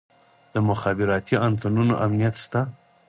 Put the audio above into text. د مخابراتي انتنونو امنیت شته؟